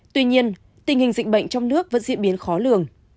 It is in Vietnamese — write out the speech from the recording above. tuy nhiên tình hình dịch bệnh trong nước vẫn diễn biến khó lường